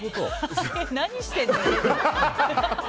何してんの？